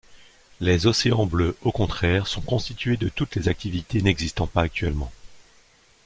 Les océans bleus, au contraire, sont constitués de toutes les activités n'existant pas actuellement.